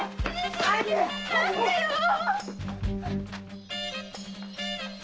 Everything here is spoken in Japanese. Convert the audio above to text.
待ってよぉ。